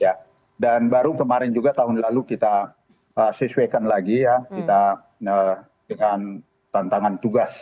ya dan baru kemarin juga tahun lalu kita sesuaikan lagi ya kita dengan tantangan tugas